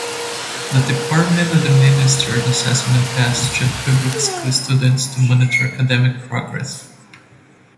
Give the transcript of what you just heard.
The Department administers assessment tests to public school students to monitor academic progress.